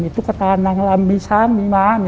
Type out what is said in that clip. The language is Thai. ตุ๊กตานางลำมีช้างมีม้า